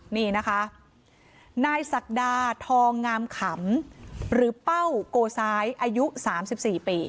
นี่นะคะนายศักดาทองงามขำหรือเป้าโกซ้ายอายุ๓๔ปี